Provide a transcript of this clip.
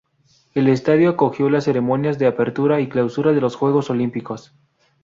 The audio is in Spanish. El estadio acogió las ceremonias de apertura y clausura de los Juegos Olímpicos.